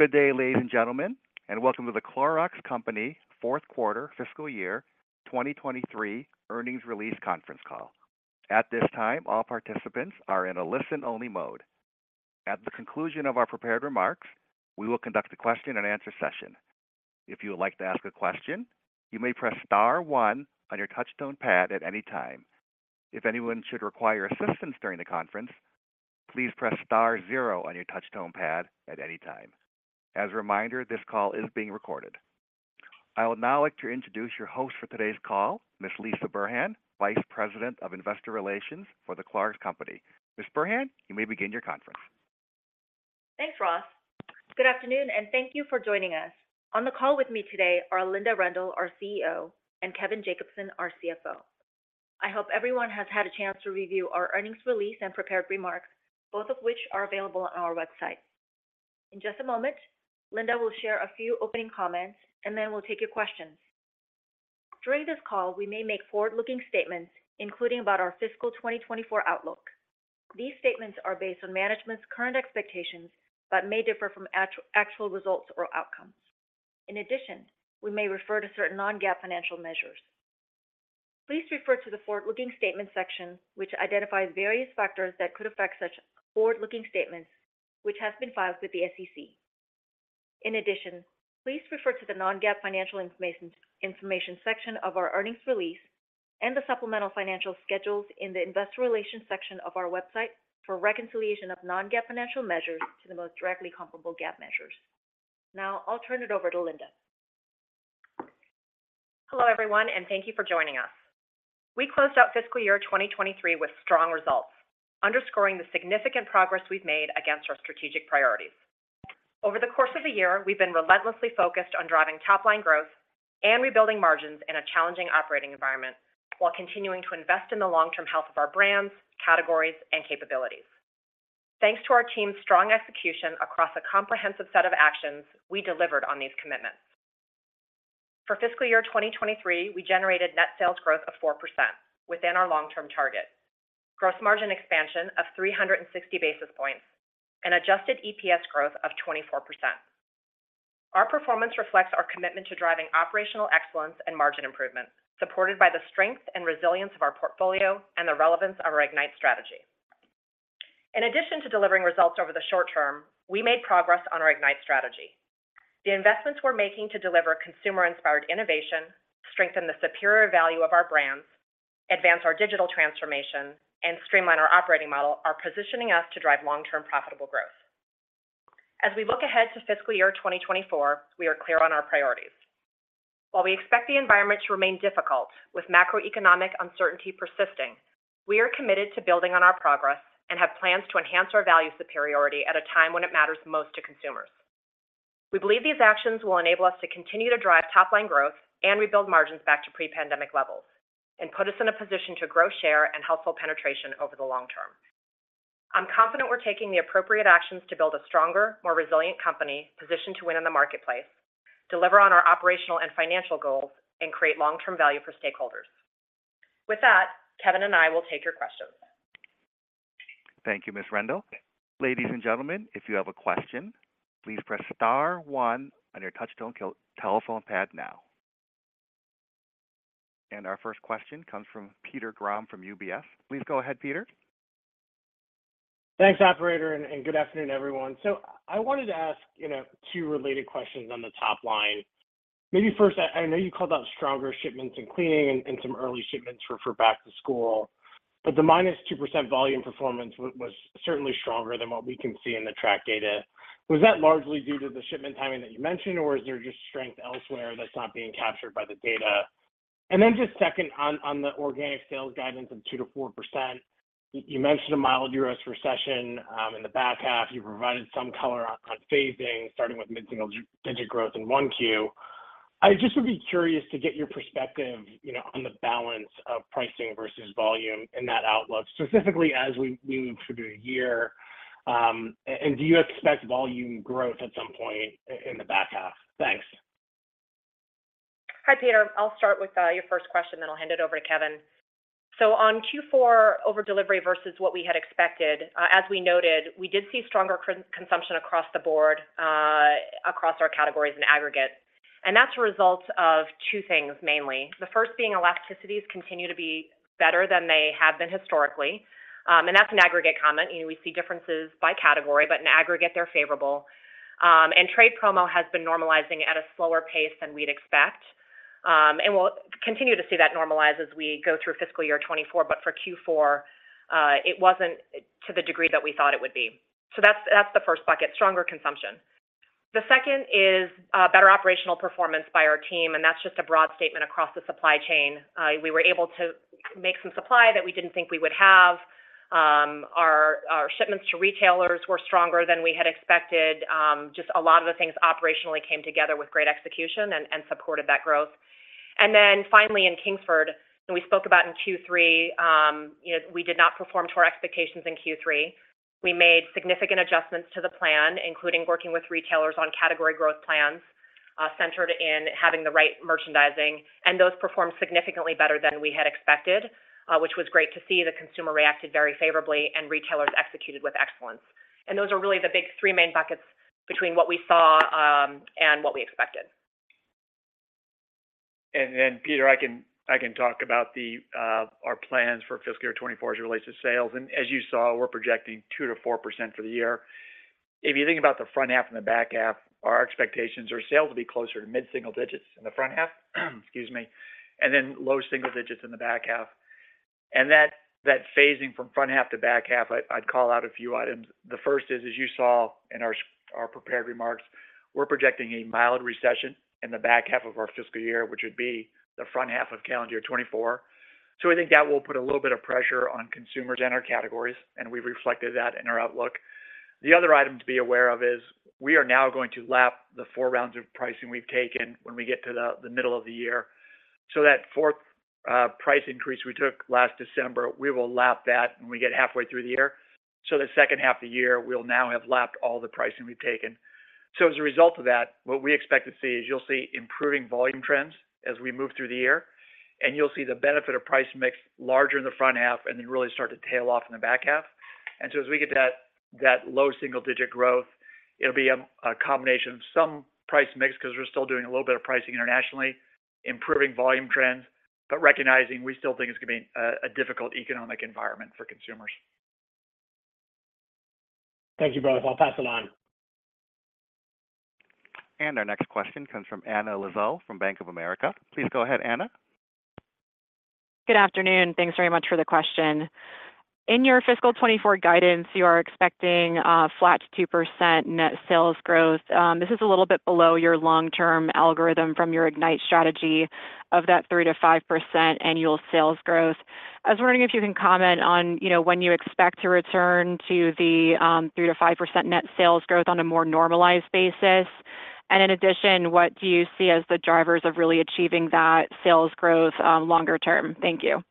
Good day, ladies and gentlemen, welcome to The Clorox Company fourth quarter fiscal year 2023 earnings release conference call. At this time, all participants are in a listen-only mode. At the conclusion of our prepared remarks, we will conduct a question-and-answer session. If you would like to ask a question, you may press star one on your touch-tone pad at any time. If anyone should require assistance during the conference, please press star zero on your touch-tone pad at any time. As a reminder, this call is being recorded. I would now like to introduce your host for today's call, Ms. Lisah Burhan, Vice President of Investor Relations for The Clorox Company. Ms. Burhan, you may begin your conference. Thanks, Ross. Good afternoon, thank you for joining us. On the call with me today are Linda Rendle, our CEO, and Kevin Jacobsen, our CFO. I hope everyone has had a chance to review our earnings release and prepared remarks, both of which are available on our website. In just a moment, Linda will share a few opening comments, then we'll take your questions. During this call, we may make forward-looking statements, including about our fiscal 2024 outlook. These statements are based on management's current expectations, may differ from actual results or outcomes. In addition, we may refer to certain non-GAAP financial measures. Please refer to the Forward-Looking Statement section, which identifies various factors that could affect such forward-looking statements, which has been filed with the SEC. In addition, please refer to the non-GAAP Financial Information section of our earnings release and the supplemental financial schedules in the Investor Relations section of our website for a reconciliation of non-GAAP financial measures to the most directly comparable GAAP measures. Now, I'll turn it over to Linda. Hello, everyone, and thank you for joining us. We closed out fiscal year 2023 with strong results, underscoring the significant progress we've made against our strategic priorities. Over the course of the year, we've been relentlessly focused on driving top-line growth and rebuilding margins in a challenging operating environment, while continuing to invest in the long-term health of our brands, categories, and capabilities. Thanks to our team's strong execution across a comprehensive set of actions, we delivered on these commitments. For fiscal year 2023, we generated net sales growth of 4% within our long-term target, gross margin expansion of 360 basis points, and adjusted EPS growth of 24%. Our performance reflects our commitment to driving operational excellence and margin improvement, supported by the strength and resilience of our portfolio and the relevance of our IGNITE strategy. In addition to delivering results over the short term, we made progress on our IGNITE strategy. The investments we're making to deliver consumer-inspired innovation, strengthen the superior value of our brands, advance our digital transformation, and streamline our operating model are positioning us to drive long-term profitable growth. As we look ahead to fiscal year 2024, we are clear on our priorities. While we expect the environment to remain difficult, with macroeconomic uncertainty persisting, we are committed to building on our progress and have plans to enhance our value superiority at a time when it matters most to consumers. We believe these actions will enable us to continue to drive top-line growth and rebuild margins back to pre-pandemic levels and put us in a position to grow share and helpful penetration over the long term. I'm confident we're taking the appropriate actions to build a stronger, more resilient company, positioned to win in the marketplace, deliver on our operational and financial goals, and create long-term value for stakeholders. With that, Kevin and I will take your questions. Thank you, Ms. Rendle. Ladies and gentlemen, if you have a question, please press star one on your touchtone telephone pad now. Our first question comes from Peter Grom from UBS. Please go ahead, Peter. Thanks, operator, and good afternoon, everyone. I wanted to ask, you know, two related questions on the top line. Maybe first, I, I know you called out stronger shipments in cleaning and, and some early shipments for, for back to school, but the -2% volume performance was, was certainly stronger than what we can see in the track data. Was that largely due to the shipment timing that you mentioned, or is there just strength elsewhere that's not being captured by the data? Just second, on, on the organic sales guidance of 2%-4%, you mentioned a mild U.S. recession in the back half. You provided some color on, on phasing, starting with mid-single-digit growth in 1Q. I just would be curious to get your perspective, you know, on the balance of pricing versus volume in that outlook, specifically as we, we move through the year. Do you expect volume growth at some point in the back half? Thanks. Hi, Peter. I'll start with your first question, then I'll hand it over to Kevin. On Q4 over delivery versus what we had expected, as we noted, we did see stronger consumption across the board, across our categories in aggregate, and that's a result of two things, mainly. The first being elasticities continue to be better than they have been historically, and that's an aggregate comment. You know, we see differences by category, but in aggregate, they're favorable. Trade promo has been normalizing at a slower pace than we'd expect, and we'll continue to see that normalize as we go through fiscal year 2024, but for Q4, it wasn't to the degree that we thought it would be. That's, that's the first bucket, stronger consumption. The second is, better operational performance by our team, and that's just a broad statement across the supply chain. We were able to make some supply that we didn't think we would have. Our, our shipments to retailers were stronger than we had expected. Just a lot of the things operationally came together with great execution and, and supported that growth. Then finally, in Kingsford, and we spoke about in Q3, you know, we did not perform to our expectations in Q3. We made significant adjustments to the plan, including working with retailers on category growth plans, centered in having the right merchandising, and those performed significantly better than we had expected, which was great to see. The consumer reacted very favorably, and retailers executed with excellence. Those are really the big three main buckets between what we saw, and what we expected. Then, Peter, I can, I can talk about our plans for fiscal year 2024 as it relates to sales. As you saw, we're projecting 2%-4% for the year. If you think about the front half and the back half, our expectations are sales will be closer to mid-single digits in the front half, excuse me, then low single digits in the back half. That, that phasing from front half to back half, I, I'd call out a few items. The first is, as you saw in our prepared remarks, we're projecting a mild recession in the back half of our fiscal year, which would be the front half of calendar year 2024. I think that will put a little bit of pressure on consumers and our categories, and we've reflected that in our outlook. The other item to be aware of is, we are now going to lap the four rounds of pricing we've taken when we get to the middle of the year. That fourth price increase we took last December, we will lap that when we get halfway through the year. The second half of the year, we'll now have lapped all the pricing we've taken. As a result of that, what we expect to see is you'll see improving volume trends as we move through the year, and you'll see the benefit of price mix larger in the front half and then really start to tail off in the back half. As we get that, that low single-digit growth, it'll be a, a combination of some price mix, 'cause we're still doing a little bit of pricing internationally, improving volume trends, but recognizing we still think it's gonna be a, a difficult economic environment for consumers. Thank you, both. I'll pass it on. Our next question comes from Anna Lizzul from Bank of America. Please go ahead, Anna. Good afternoon. Thanks very much for the question. In your fiscal 2024 guidance, you are expecting a flat to 2% net sales growth. This is a little bit below your long-term algorithm from your IGNITE strategy of that 3%-5% annual sales growth. I was wondering if you can comment on, you know, when you expect to return to the 3%-5% net sales growth on a more normalized basis. In addition, what do you see as the drivers of really achieving that sales growth longer term? Thank you.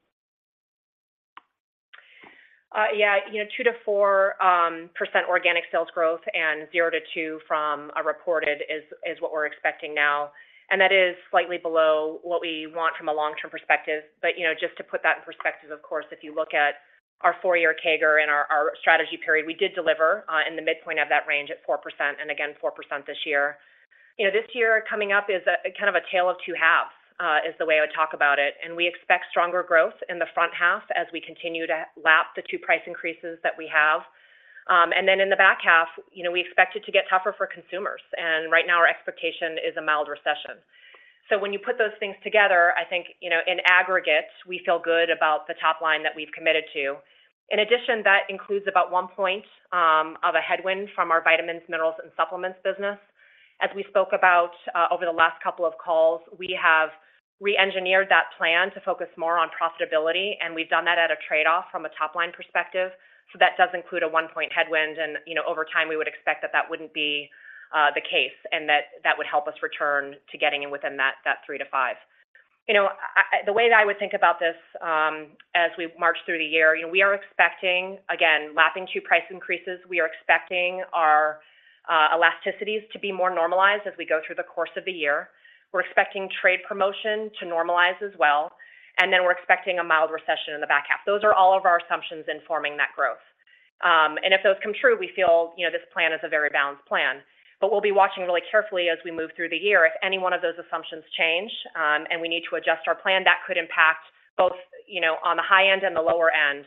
Yeah, you know, 2%-4% organic sales growth and 0-2% from a reported is, is what we're expecting now, and that is slightly below what we want from a long-term perspective. You know, just to put that in perspective, of course, if you look at our four-year CAGR and our, our strategy period, we did deliver in the midpoint of that range at 4%, and again, 4% this year. You know, this year coming up is a, kind of a tale of two halves, is the way I would talk about it. We expect stronger growth in the front half as we continue to lap the two price increases that we have. Then in the back half, you know, we expect it to get tougher for consumers, and right now, our expectation is a mild recession. When you put those things together, I think, you know, in aggregate, we feel good about the top line that we've committed to. In addition, that includes about 1 point of a headwind from our Vitamins, Minerals and Supplements business. As we spoke about, over the last couple of calls, we have reengineered that plan to focus more on profitability, and we've done that at a trade-off from a top-line perspective. That does include a 1-point headwind, and, you know, over time, we would expect that that wouldn't be the case, and that that would help us return to getting in within that, that 3%-5%. You know, the way that I would think about this, as we march through the year, you know, we are expecting, again, lapping two price increases, we are expecting our elasticities to be more normalized as we go through the course of the year. We're expecting trade promotion to normalize as well. We're expecting a mild recession in the back half. Those are all of our assumptions in forming that growth. If those come true, we feel, you know, this plan is a very balanced plan. We'll be watching really carefully as we move through the year. If any one of those assumptions change, and we need to adjust our plan, that could impact both, you know, on the high end and the lower end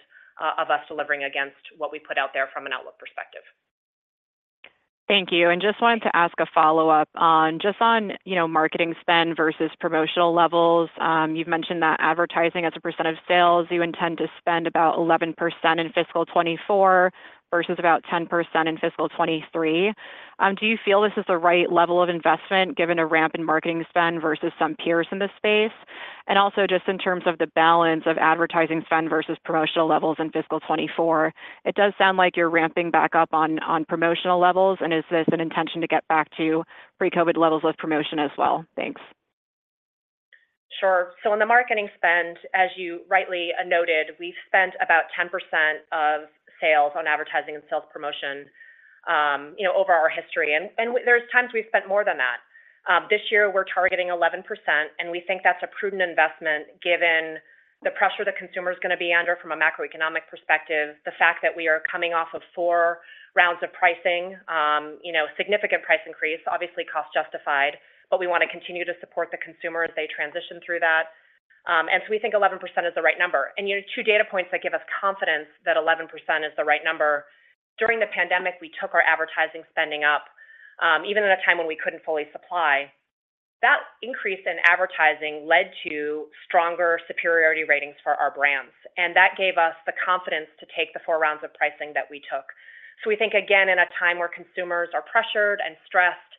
of us delivering against what we put out there from an outlook perspective. Thank you. Just wanted to ask a follow-up on, just on, you know, marketing spend versus promotional levels, you've mentioned that advertising as a percent of sales, you intend to spend about 11% in fiscal 2024 versus about 10% in fiscal 2023. Do you feel this is the right level of investment, given a ramp in marketing spend versus some peers in this space? Also, just in terms of the balance of advertising spend versus promotional levels in fiscal 2024, it does sound like you're ramping back up on, on promotional levels, and is this an intention to get back to pre-COVID levels of promotion as well? Thanks. Sure. In the marketing spend, as you rightly noted, we've spent about 10% of sales on advertising and sales promotion, you know, over our history, and there's times we've spent more than that. This year, we're targeting 11%, and we think that's a prudent investment, given the pressure the consumer is gonna be under from a macroeconomic perspective, the fact that we are coming off of four rounds of pricing, you know, significant price increase, obviously cost justified, but we wanna continue to support the consumer as they transition through that. So we think 11% is the right number. You know, two data points that give us confidence that 11% is the right number: During the pandemic, we took our advertising spending up, even at a time when we couldn't fully supply. That increase in advertising led to stronger superiority ratings for our brands, that gave us the confidence to take the four rounds of pricing that we took. We think, again, in a time where consumers are pressured and stressed,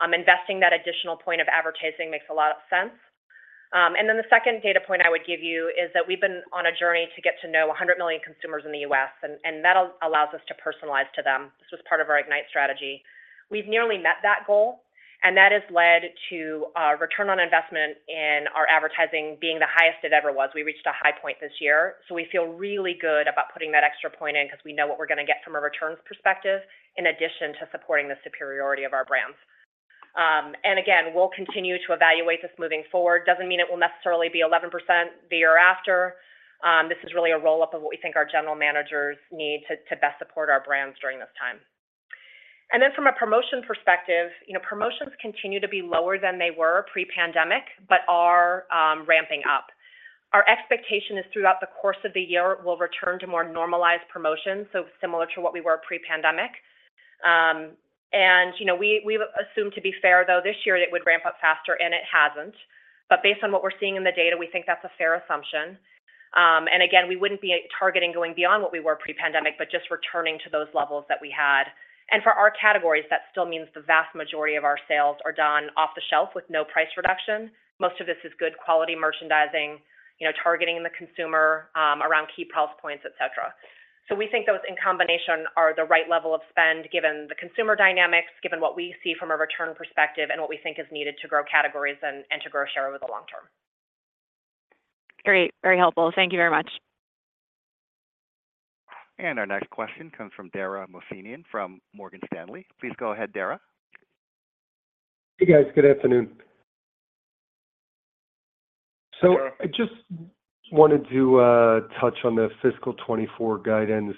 investing that additional point of advertising makes a lot of sense. The second data point I would give you is that we've been on a journey to get to know 100 million consumers in the U.S., that allows us to personalize to them. This was part of our IGNITE strategy. We've nearly met that goal, that has led to a ROI in our advertising being the highest it ever was. We reached a high point this year, so we feel really good about putting that extra point in because we know what we're gonna get from a returns perspective, in addition to supporting the superiority of our brands. Again, we'll continue to evaluate this moving forward. Doesn't mean it will necessarily be 11% the year after. This is really a roll-up of what we think our general managers need to, to best support our brands during this time. Then from a promotion perspective, you know, promotions continue to be lower than they were pre-pandemic, but are ramping up. Our expectation is throughout the course of the year, we'll return to more normalized promotions, so similar to what we were pre-pandemic. You know, we, we've assumed to be fair, though, this year it would ramp up faster, and it hasn't. Based on what we're seeing in the data, we think that's a fair assumption. Again, we wouldn't be targeting going beyond what we were pre-pandemic, but just returning to those levels that we had. For our categories, that still means the vast majority of our sales are done off the shelf with no price reduction. Most of this is good quality merchandising, you know, targeting the consumer, around key health points, et cetera. We think those in combination are the right level of spend, given the consumer dynamics, given what we see from a return perspective and what we think is needed to grow categories and, and to grow share over the long term. Great. Very helpful. Thank you very much. Our next question comes from Dara Mohsenian, from Morgan Stanley. Please go ahead, Dara. Hey, guys. Good afternoon. I just wanted to touch on the fiscal 2024 guidance.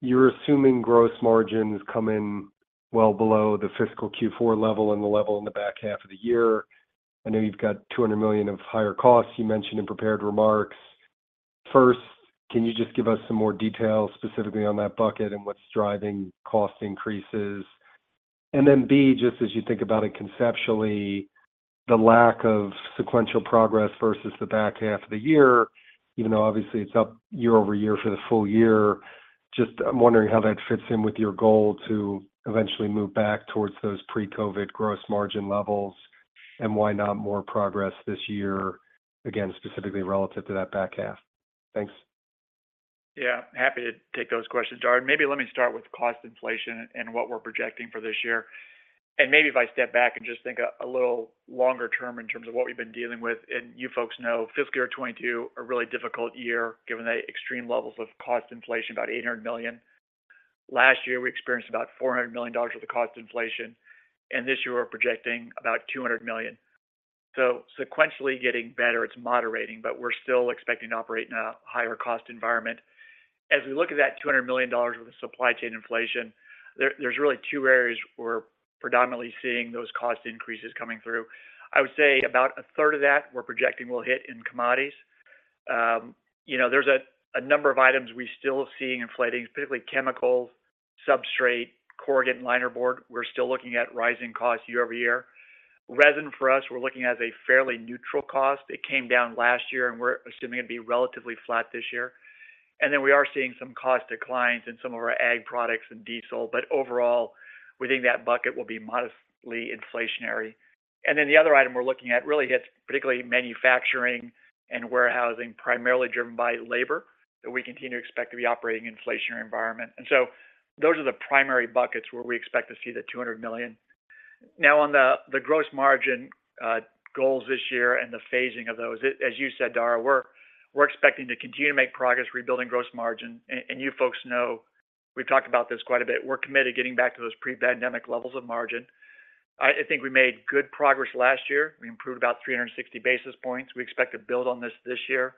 You're assuming gross margins come in well below the fiscal Q4 level and the level in the back half of the year. I know you've got $200 million of higher costs you mentioned in prepared remarks. First, can you just give us some more details, specifically on that bucket and what's driving cost increases? Then B, just as you think about it, conceptually, the lack of sequential progress versus the back half of the year, even though obviously it's up year-over-year for the full year, just I'm wondering how that fits in with your goal to eventually move back towards those pre-COVID gross margin levels, and why not more progress this year, again, specifically relative to that back half? Thanks. Yeah, happy to take those questions, Dara. Maybe let me start with cost inflation and what we're projecting for this year. Maybe if I step back and just think a little longer term in terms of what we've been dealing with, you folks know, fiscal year 2022, a really difficult year, given the extreme levels of cost inflation, about $800 million. Last year, we experienced about $400 million worth of cost inflation, and this year we're projecting about $200 million. Sequentially getting better, it's moderating, but we're still expecting to operate in a higher cost environment. As we look at that $200 million worth of supply chain inflation, there's really two areas we're predominantly seeing those cost increases coming through. I would say about a third of that we're projecting will hit in commodities. You know, there's a number of items we're still seeing inflating, particularly chemicals, substrate, corrugate, and liner board. We're still looking at rising costs year-over-year. Resin, for us, we're looking at as a fairly neutral cost. It came down last year, and we're assuming it'd be relatively flat this year. We are seeing some cost declines in some of our ag products and diesel, but overall, we think that bucket will be modestly inflationary. The other item we're looking at really hits particularly manufacturing and warehousing, primarily driven by labor, that we continue to expect to be operating in an inflationary environment. Those are the primary buckets where we expect to see the $200 million. Now, on the, the gross margin goals this year and the phasing of those, as, as you said, Dara, we're expecting to continue to make progress rebuilding gross margin. You folks know, we've talked about this quite a bit, we're committed to getting back to those pre-pandemic levels of margin. I, I think we made good progress last year. We improved about 360 basis points. We expect to build on this this year,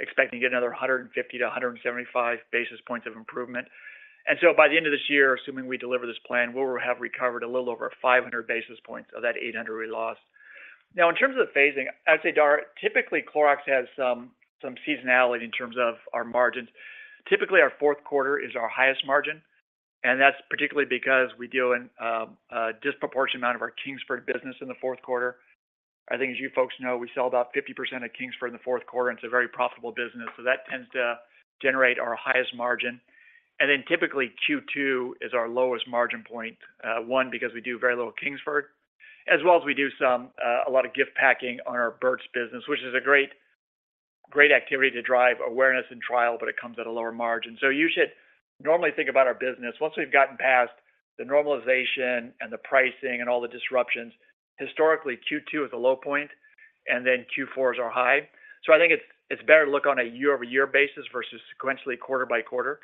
expecting to get another 150-175 basis points of improvement. By the end of this year, assuming we deliver this plan, we'll have recovered a little over 500 basis points of that 800 we lost. Now, in terms of the phasing, I'd say, Dara, typically, Clorox has some seasonality in terms of our margins. Typically, our fourth quarter is our highest margin, and that's particularly because we do a disproportionate amount of our Kingsford business in the fourth quarter. I think as you folks know, we sell about 50% of Kingsford in the fourth quarter, and it's a very profitable business, so that tends to generate our highest margin. Typically, Q2 is our lowest margin point, one, because we do very little Kingsford, as well as we do some, a lot of gift packing on our Burt's Bees business, which is a great, great activity to drive awareness and trial, but it comes at a lower margin. You should normally think about our business once we've gotten past the normalization and the pricing and all the disruptions. Historically, Q2 is a low point, and then Q4 is our high. I think it's, it's better to look on a year-over-year basis versus sequentially quarter by quarter.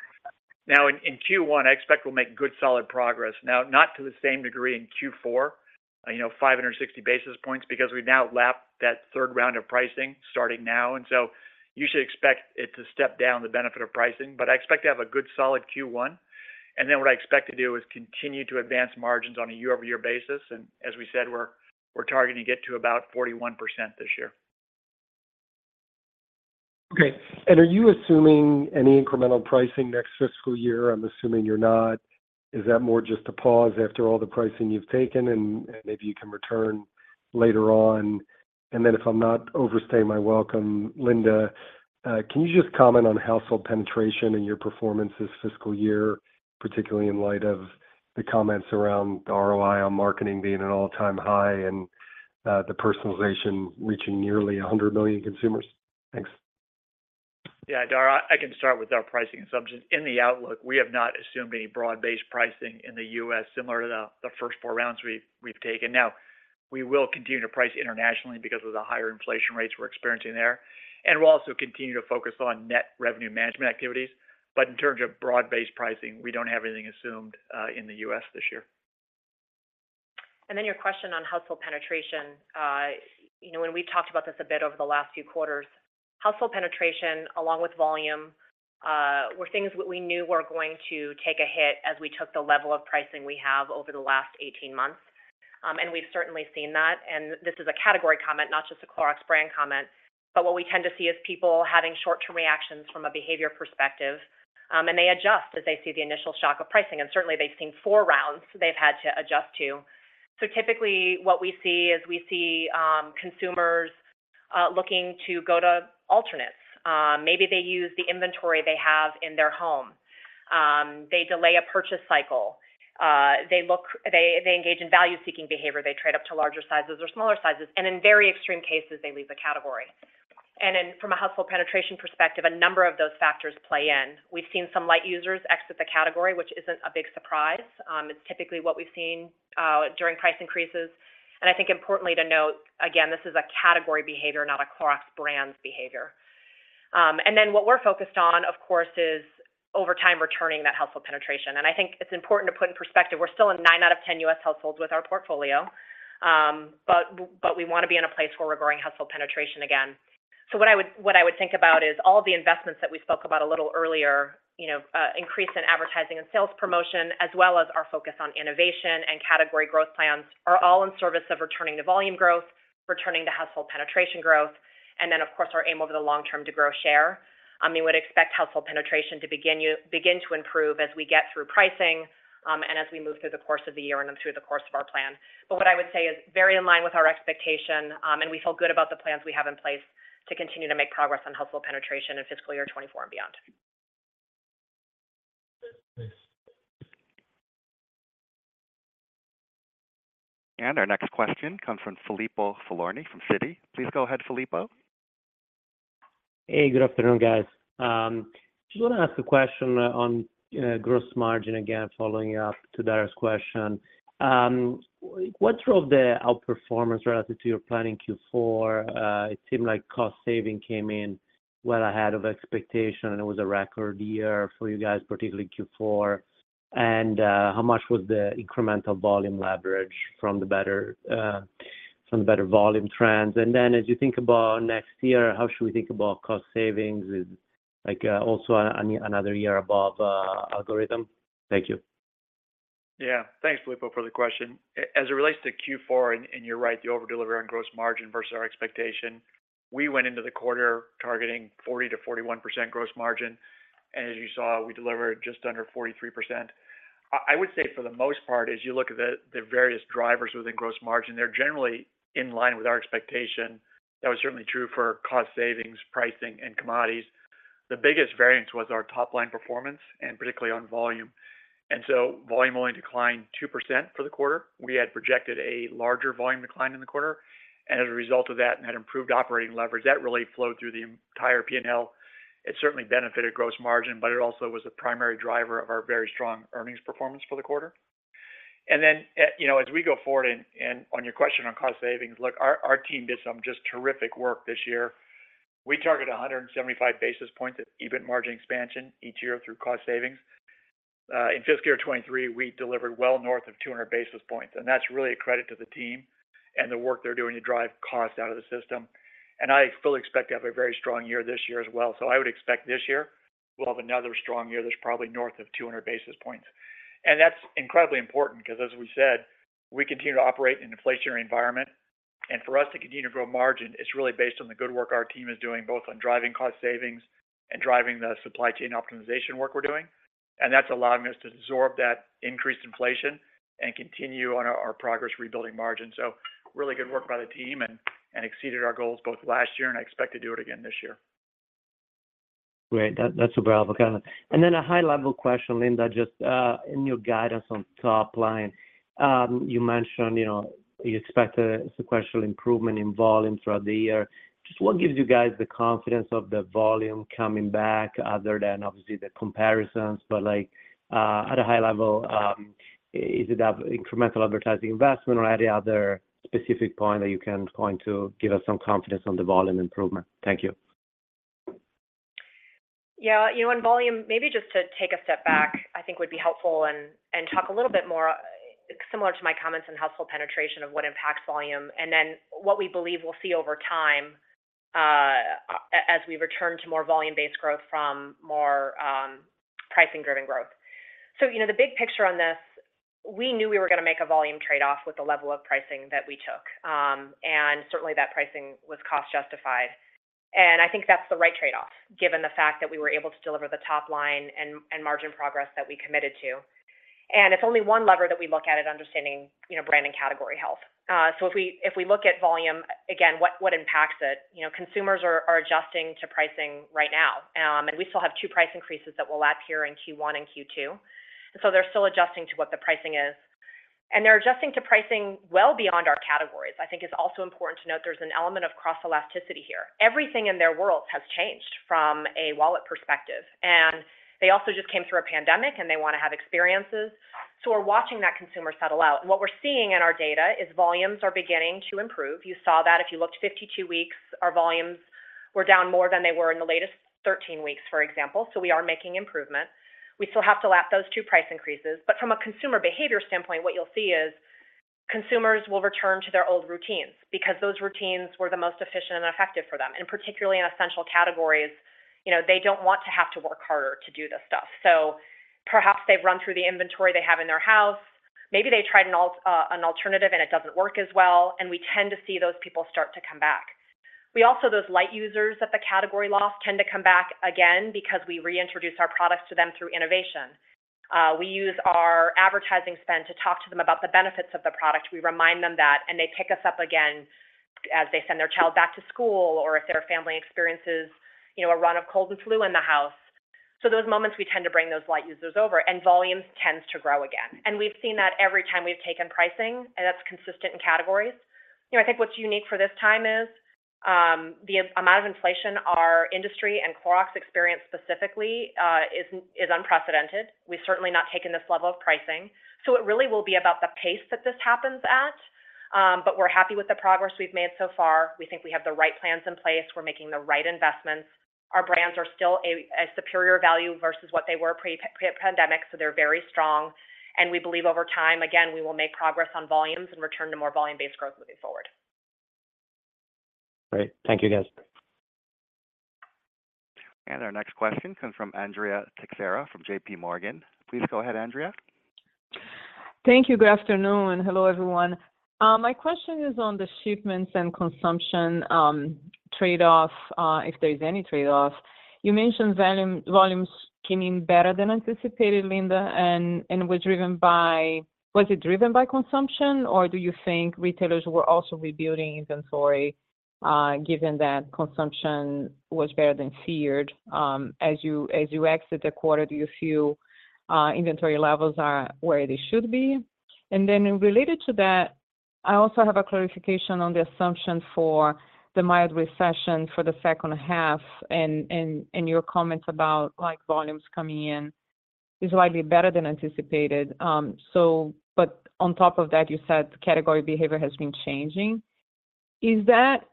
In, in Q1, I expect we'll make good, solid progress. Not to the same degree in Q4, you know, 560 basis points, because we've now lapped that third round of pricing starting now, and so you should expect it to step down the benefit of pricing. I expect to have a good, solid Q1, and then what I expect to do is continue to advance margins on a year-over-year basis, and as we said, we're, we're targeting to get to about 41% this year. Okay. Are you assuming any incremental pricing next fiscal year? I'm assuming you're not. Is that more just a pause after all the pricing you've taken, and, and maybe you can return later on? Then if I'm not overstaying my welcome, Linda, can you just comment on household penetration and your performance this fiscal year, particularly in light of the comments around ROI on marketing being an all-time high and, the personalization reaching nearly 100 million consumers? Thanks. Yeah, Dara, I can start with our pricing assumptions. In the outlook, we have not assumed any broad-based pricing in the U.S., similar to the, the first four rounds we've, we've taken. We will continue to price internationally because of the higher inflation rates we're experiencing there. We'll also continue to focus on net revenue management activities. In terms of broad-based pricing, we don't have anything assumed, in the U.S. this year. Then your question on household penetration. you know, when we've talked about this a bit over the last few quarters, household penetration, along with volume, were things that we knew were going to take a hit as we took the level of pricing we have over the last 18 months. We've certainly seen that, and this is a category comment, not just a Clorox brand comment. What we tend to see is people having short-term reactions from a behavior perspective, and they adjust as they see the initial shock of pricing, and certainly, they've seen four rounds they've had to adjust to. Typically, what we see is we see consumers looking to go to alternates. Maybe they use the inventory they have in their home, they delay a purchase cycle, they, they engage in value-seeking behavior, they trade up to larger sizes or smaller sizes, and in very extreme cases, they leave the category. Then from a household penetration perspective, a number of those factors play in. We've seen some light users exit the category, which isn't a big surprise. It's typically what we've seen, during price increases. I think importantly to note, again, this is a category behavior, not a Clorox brands behavior. Then what we're focused on, of course, is over time, returning that household penetration. I think it's important to put in perspective, we're still in nine out of 10 U.S. households with our portfolio, but we want to be in a place where we're growing household penetration again. What I would, what I would think about is all the investments that we spoke about a little earlier, you know, increase in advertising and sales promotion, as well as our focus on innovation and category growth plans, are all in service of returning to volume growth, returning to household penetration growth, and then, of course, our aim over the long term to grow share. We would expect household penetration to begin to improve as we get through pricing, and as we move through the course of the year and then through the course of our plan. What I would say is very in line with our expectation, and we feel good about the plans we have in place to continue to make progress on household penetration in fiscal year 2024 and beyond. Our next question comes from Filippo Falorni from Citi. Please go ahead, Filippo. Hey, good afternoon, guys. Just want to ask a question on gross margin, again, following up to Dara's question. What drove the outperformance relative to your planning Q4? It seemed like cost saving came in well ahead of expectation, and it was a record year for you guys, particularly Q4. How much was the incremental volume leverage from the better from the better volume trends? Then as you think about next year, how should we think about cost savings? Is like also another year above algorithm? Thank you. Yeah. Thanks, Filippo, for the question. As it relates to Q4, you're right, the over-delivery on gross margin versus our expectation, we went into the quarter targeting 40%-41% gross margin, and as you saw, we delivered just under 43%. I, I would say for the most part, as you look at the, the various drivers within gross margin, they're generally in line with our expectation. That was certainly true for cost savings, pricing, and commodities. The biggest variance was our top-line performance, and particularly on volume. Volume only declined 2% for the quarter. We had projected a larger volume decline in the quarter, and as a result of that, and had improved operating leverage, that really flowed through the entire P&L. It certainly benefited gross margin, but it also was the primary driver of our very strong earnings performance for the quarter. Then, you know, as we go forward, and, and on your question on cost savings, look, our, our team did some just terrific work this year. We target 175 basis points at EBIT margin expansion each year through cost savings. In fiscal year 2023, we delivered well north of 200 basis points, and that's really a credit to the team and the work they're doing to drive costs out of the system. I fully expect to have a very strong year this year as well. I would expect this year, we'll have another strong year that's probably north of 200 basis points. That's incredibly important because, as we said, we continue to operate in an inflationary environment, and for us to continue to grow margin, it's really based on the good work our team is doing, both on driving cost savings and driving the supply chain optimization work we're doing. That's allowing us to absorb that increased inflation and continue on our, our progress rebuilding margin. Really good work by the team and, and exceeded our goals both last year, and I expect to do it again this year. Great. That, that's super helpful, Kevin. Then a high-level question, Linda, just in your guidance on top line, you mentioned, you know, you expect a sequential improvement in volume throughout the year. Just what gives you guys the confidence of the volume coming back other than obviously the comparisons? Like, at a high level, is it that incremental advertising investment or any other specific point that you can point to give us some confidence on the volume improvement? Thank you. Yeah, you know, in volume, maybe just to take a step back, I think would be helpful and, and talk a little bit more, similar to my comments on household penetration, of what impacts volume, and then what we believe we'll see over time, as we return to more volume-based growth from more pricing-driven growth. You know, the big picture on this, we knew we were gonna make a volume trade-off with the level of pricing that we took, and certainly, that pricing was cost-justified. I think that's the right trade-off, given the fact that we were able to deliver the top line and, and margin progress that we committed to. It's only one lever that we look at in understanding, you know, brand and category health. So if we, if we look at volume, again, what, what impacts it? You know, consumers are, are adjusting to pricing right now. We still have two price increases that will lap here in Q1 and Q2, they're still adjusting to what the pricing is. They're adjusting to pricing well beyond our categories. I think it's also important to note there's an element of cross-elasticity here. Everything in their world has changed from a wallet perspective, they also just came through a pandemic, they want to have experiences, we're watching that consumer settle out. What we're seeing in our data is volumes are beginning to improve. You saw that if you looked 52 weeks, our volumes were down more than they were in the latest 13 weeks, for example. We are making improvements. We still have to lap those two price increases, but from a consumer behavior standpoint, what you'll see is consumers will return to their old routines because those routines were the most efficient and effective for them, and particularly in essential categories. You know, they don't want to have to work harder to do this stuff. Perhaps they've run through the inventory they have in their house. Maybe they tried an alternative, and it doesn't work as well, and we tend to see those people start to come back. We also, those light users that the category loss tend to come back again because we reintroduce our products to them through innovation. We use our advertising spend to talk to them about the benefits of the product. We remind them that, and they pick us up again as they send their child back to school, or if their family experiences, you know, a run of cold and flu in the house. So those moments, we tend to bring those light users over, and volumes tends to grow again. And we've seen that every time we've taken pricing, and that's consistent in categories. You know, I think what's unique for this time is, the amount of inflation our industry and Clorox experienced specifically, is, is unprecedented. We've certainly not taken this level of pricing, so it really will be about the pace that this happens at. We're happy with the progress we've made so far. We think we have the right plans in place. We're making the right investments. Our brands are still a, a superior value versus what they were pre, pre-pandemic, so they're very strong, and we believe over time, again, we will make progress on volumes and return to more volume-based growth moving forward. Great. Thank you, guys. Our next question comes from Andrea Teixeira from JPMorgan. Please go ahead, Andrea. Thank you. Good afternoon. Hello, everyone. My question is on the shipments and consumption trade-off, if there is any trade-off. You mentioned volume, volumes coming in better than anticipated, Linda, was driven by, was it driven by consumption, or do you think retailers were also rebuilding inventory, given that consumption was better than feared? As you, as you exit the quarter, do you feel inventory levels are where they should be? Related to that, I also have a clarification on the assumption for the mild recession for the second half and your comments about, like, volumes coming in is likely better than anticipated. On top of that, you said category behavior has been changing. Is that,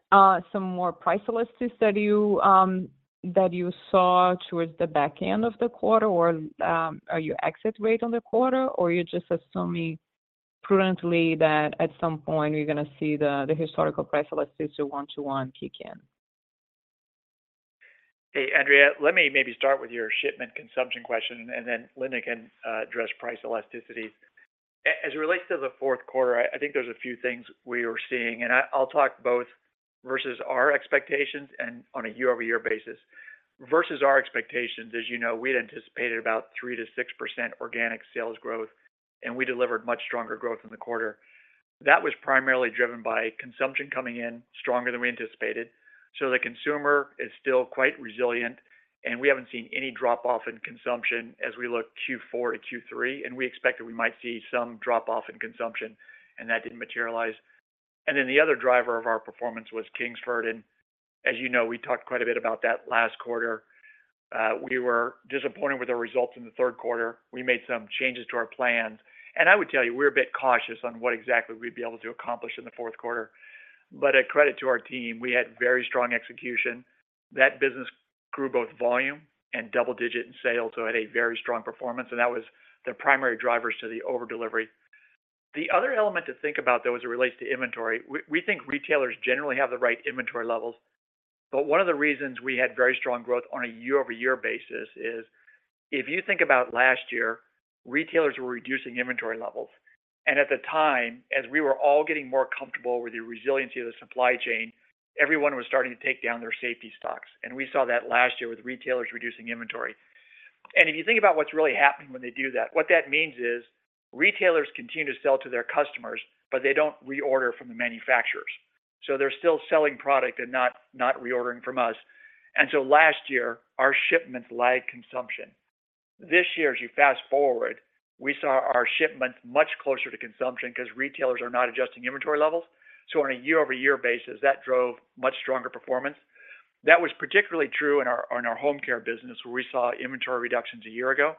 some more price elasticity that you, that you saw towards the back end of the quarter, or, are you exit rate on the quarter, or you're just assuming prudently that at some point you're gonna see the, the historical price elasticities you want to kick in? Hey, Andrea, let me maybe start with your shipment consumption question, and then Linda can address price elasticity. As it relates to the fourth quarter, I think there's a few things we are seeing, and I'll talk both versus our expectations and on a year-over-year basis. Versus our expectations, as you know, we had anticipated about 3%-6% organic sales growth, and we delivered much stronger growth in the quarter. That was primarily driven by consumption coming in stronger than we anticipated. The consumer is still quite resilient, and we haven't seen any drop-off in consumption as we look Q4 to Q3, and we expected we might see some drop-off in consumption, and that didn't materialize. Then the other driver of our performance was Kingsford, and as you know, we talked quite a bit about that last quarter. We were disappointed with the results in the third quarter. We made some changes to our plans. I would tell you, we're a bit cautious on what exactly we'd be able to accomplish in the fourth quarter. A credit to our team, we had very strong execution. That business grew both volume and double-digit in sales. It had a very strong performance. That was the primary drivers to the over-delivery. The other element to think about, though, as it relates to inventory, we, we think retailers generally have the right inventory levels. One of the reasons we had very strong growth on a year-over-year basis is, if you think about last year, retailers were reducing inventory levels, and at the time, as we were all getting more comfortable with the resiliency of the supply chain, everyone was starting to take down their safety stocks, and we saw that last year with retailers reducing inventory. If you think about what's really happened when they do that, what that means is retailers continue to sell to their customers, but they don't reorder from the manufacturers. They're still selling product and not reordering from us. Last year, our shipments lagged consumption. This year, as you fast forward, we saw our shipments much closer to consumption 'cause retailers are not adjusting inventory levels. On a year-over-year basis, that drove much stronger performance. That was particularly true in our, in our home care business, where we saw inventory reductions a year ago.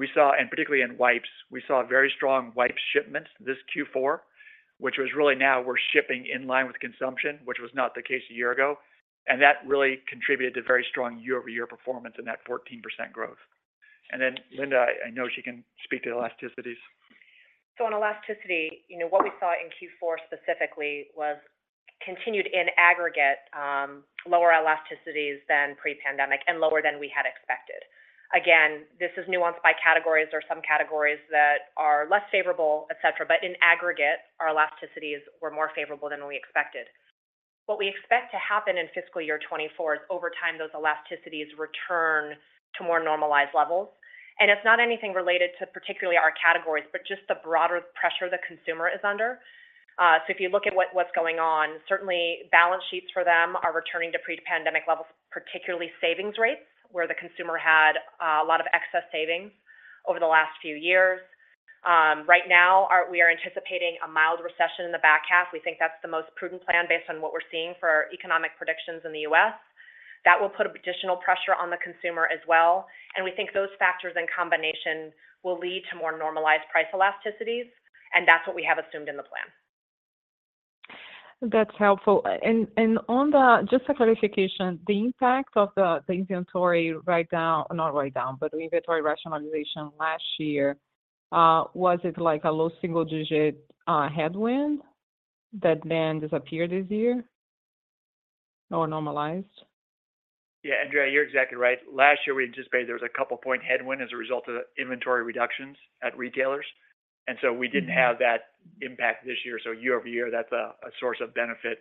We saw, and particularly in wipes, we saw very strong wipe shipments this Q4, which was really now we're shipping in line with consumption, which was not the case a year ago, and that really contributed to very strong year-over-year performance and that 14% growth. Then, Linda, I know she can speak to elasticities. On elasticity, you know, what we saw in Q4 specifically was continued in aggregate, lower elasticities than pre-pandemic and lower than we had expected. Again, this is nuanced by categories. There are some categories that are less favorable, et cetera, but in aggregate, our elasticities were more favorable than we expected. What we expect to happen in fiscal year 2024 is, over time, those elasticities return to more normalized levels, and it's not anything related to particularly our categories, but just the broader pressure the consumer is under. So if you look at what, what's going on, certainly balance sheets for them are returning to pre-pandemic levels, particularly savings rates, where the consumer had a lot of excess savings over the last few years. Right now, we are anticipating a mild recession in the back half. We think that's the most prudent plan based on what we're seeing for economic predictions in the U.S. That will put additional pressure on the consumer as well, and we think those factors in combination will lead to more normalized price elasticities, and that's what we have assumed in the plan. That's helpful. On the, just a clarification, the impact of the, the inventory write down, not write down, but the inventory rationalization last year, was it like a low single-digit headwind that then disappeared this year or normalized? Yeah, Andrea, you're exactly right. Last year, we anticipated there was a couple point headwind as a result of inventory reductions at retailers, and so we didn't have that impact this year. Year-over-year, that's a source of benefit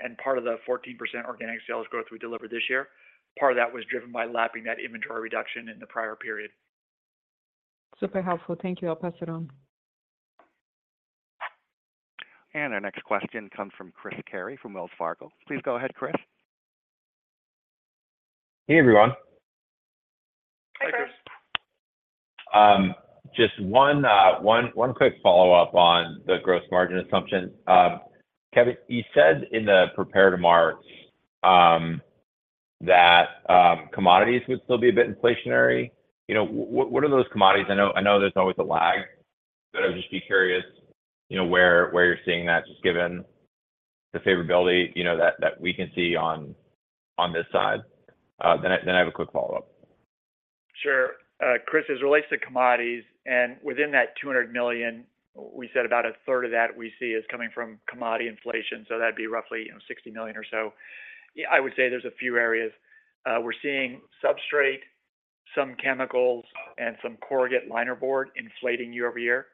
and part of the 14% organic sales growth we delivered this year. Part of that was driven by lapping that inventory reduction in the prior period. Super helpful. Thank you. I'll pass it on. Our next question comes from Chris Carey from Wells Fargo. Please go ahead, Chris. Hey, everyone. Hi, Chris. Just one quick follow-up on the gross margin assumption. Kevin, you said in the prepared remark that commodities would still be a bit inflationary. You know, what are those commodities? I know, I know there's always a lag, but I would just be curious, you know, where you're seeing that, just given the favorability, you know, that we can see on this side. I have a quick follow-up. Sure. Chris, as it relates to commodities, and within that $200 million, we said about a third of that we see is coming from commodity inflation, so that'd be roughly, you know, $60 million or so. I would say there's a few areas. We're seeing substrate, some chemicals, and some corrugate liner board inflating year-over-year.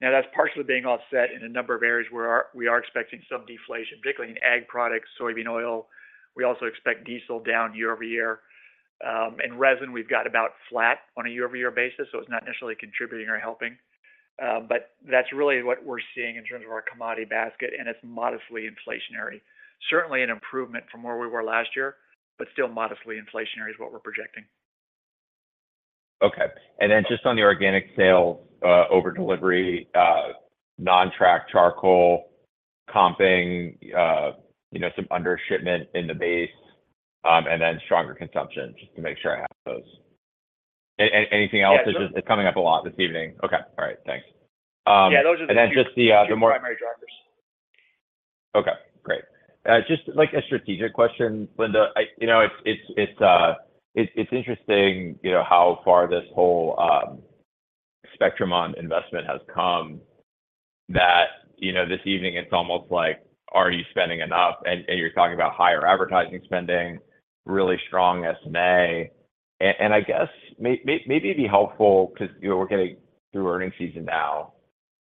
That's partially being offset in a number of areas where we are expecting some deflation, particularly in ag products, soybean oil. We also expect diesel down year-over-year. In resin, we've got about flat on a year-over-year basis, so it's not necessarily contributing or helping. But that's really what we're seeing in terms of our commodity basket, and it's modestly inflationary. Certainly an improvement from where we were last year, but still modestly inflationary is what we're projecting. Okay. Just on the organic sales, over delivery, non-tracked charcoal, comping, you know, some under shipment in the base, and then stronger consumption, just to make sure I have those. Anything else? Yeah. It's coming up a lot this evening. Okay. All right. Thanks. Yeah, those are the. Just the, the more. The primary drivers. Okay, great. Just like a strategic question, Linda. You know, it's, it's, it's, it's, it's interesting, you know, how far this whole spectrum on investment has come, that, you know, this evening it's almost like, are you spending enough? You're talking about higher advertising spending, really strong SG&A. I guess maybe it'd be helpful because, you know, we're getting through earning season now.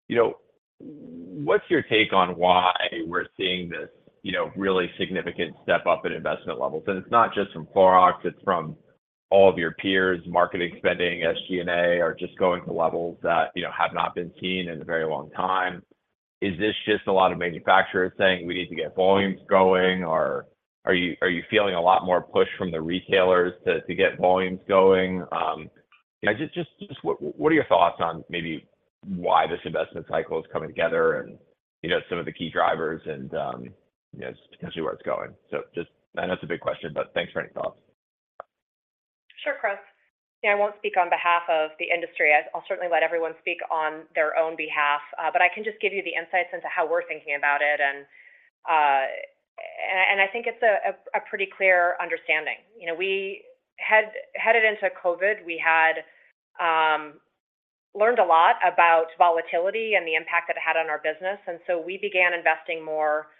You know, what's your take on why we're seeing this, you know, really significant step up in investment levels? It's not just from Clorox, it's from all of your peers, marketing, spending, SG&A, are just going to levels that, you know, have not been seen in a very long time. Is this just a lot of manufacturers saying, "We need to get volumes going," or are you, are you feeling a lot more push from the retailers to, to get volumes going? What are your thoughts on maybe why this investment cycle is coming together and, you know, some of the key drivers and, you know, potentially where it's going? I know it's a big question, but thanks for any thoughts. Sure, Chris. I won't speak on behalf of the industry. I'll certainly let everyone speak on their own behalf, but I can just give you the insights into how we're thinking about it, and, and I think it's a, a, a pretty clear understanding. You know, we headed into COVID, we had learned a lot about volatility and the impact that it had on our business. So we began investing more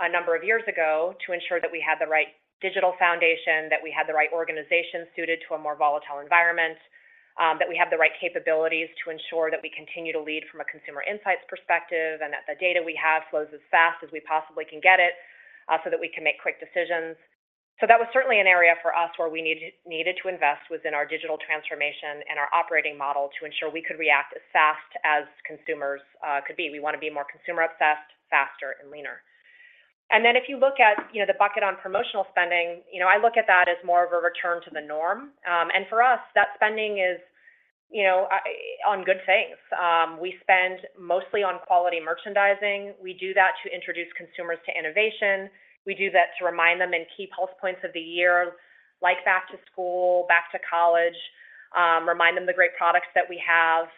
a number of years ago to ensure that we had the right digital foundation, that we had the right organization suited to a more volatile environment, that we have the right capabilities to ensure that we continue to lead from a consumer insights perspective, and that the data we have flows as fast as we possibly can get it, so that we can make quick decisions. That was certainly an area for us where we needed, needed to invest within our digital transformation and our operating model to ensure we could react as fast as consumers could be. We want to be more consumer obsessed, faster and leaner. Then if you look at, you know, the bucket on promotional spending, you know, I look at that as more of a return to the norm. And for us, that spending is, you know, on good things. We spend mostly on quality merchandising. We do that to introduce consumers to innovation, we do that to remind them in key pulse points of the year, like back to school, back to college, remind them the great products that we have,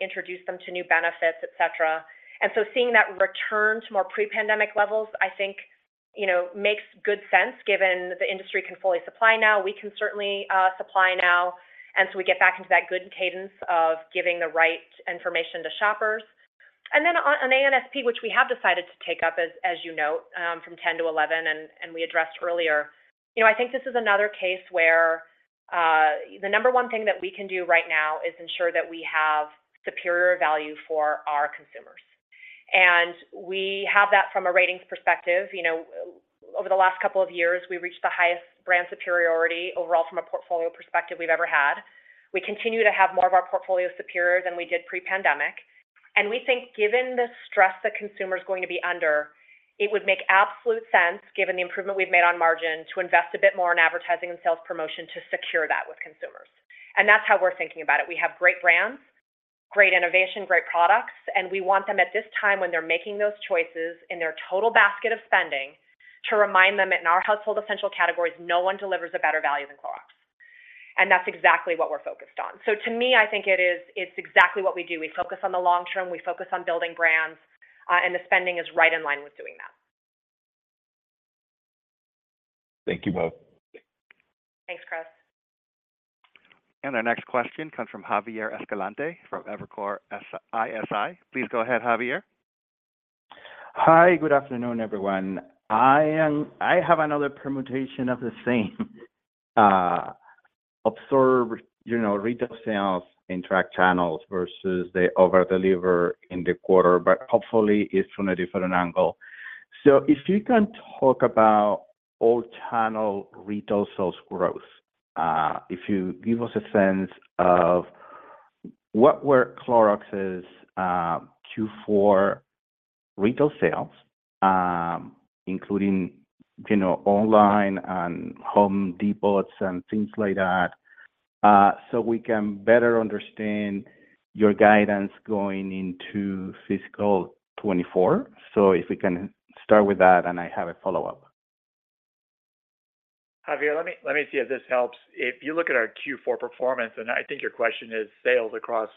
introduce them to new benefits, et cetera. Seeing that return to more pre-pandemic levels, I think, you know, makes good sense given the industry can fully supply now. We can certainly supply now, and so we get back into that good cadence of giving the right information to shoppers. Then on A&SP, which we have decided to take up as, as you know, from 10 to 11, and we addressed earlier, you know, I think this is another case where the number one thing that we can do right now is ensure that we have superior value for our consumers. We have that from a ratings perspective. You know, over the last couple of years, we reached the highest brand superiority overall from a portfolio perspective we've ever had. We continue to have more of our portfolio superior than we did pre-pandemic, we think given the stress the consumer is going to be under, it would make absolute sense, given the improvement we've made on margin, to invest a bit more in advertising and sales promotion to secure that with consumers. That's how we're thinking about it. We have great brands, great innovation, great products, and we want them at this time when they're making those choices in their total basket of spending, to remind them in our household essential categories, no one delivers a better value than Clorox. That's exactly what we're focused on. To me, I think it is, it's exactly what we do. We focus on the long term, we focus on building brands, and the spending is right in line with doing that. Thank you, both. Thanks, Chris. Our next question comes from Javier Escalante, from Evercore ISI. Please go ahead, Javier. Hi, good afternoon, everyone. I have another permutation of the same, observe, you know, retail sales in track channels versus the over-deliver in the quarter, but hopefully it's from a different angle. If you can talk about all channel retail sales growth, if you give us a sense of what were Clorox's Q4 retail sales, including, you know, online and Home Depots and things like that, so we can better understand your guidance going into fiscal 2024. If we can start with that, and I have a follow-up. Javier, let me, let me see if this helps. If you look at our Q4 performance, I think your question is sales across